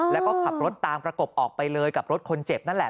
แล้วก็ขับรถตามประกบออกไปเลยกับรถคนเจ็บนั่นแหละ